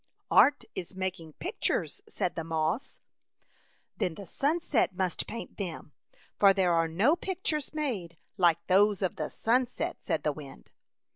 " Art is making pictures," said the moss. " Then the sunset must paint them, for there are no pictures made like those of the sunset,'* said the wind.